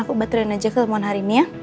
aku batrein aja ke temen hari ini ya